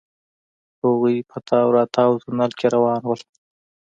هغوئ په تاو راتاو تونل کې روان وو.